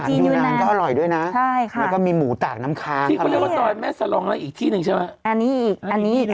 อยู่นานก็อร่อยด้วยนะแล้วก็มีหมูตากน้ำค้างที่เขาเรียกว่าซอยแม่สลองแล้วอีกที่หนึ่งใช่ไหม